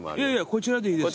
こちらでいいです。